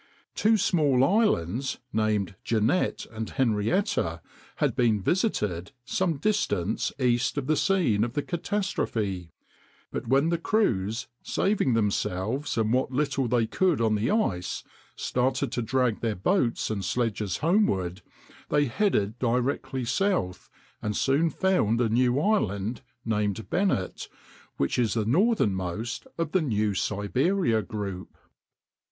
Two small islands, named Jeannette and Henrietta, had been visited some distance east of the scene of the catastrophe; but when the crews, saving themselves and what little they could on the ice, started to drag their boats and sledges homeward, they headed directly south, and soon found a new island, named Bennett, which is the northernmost of the New Siberia group.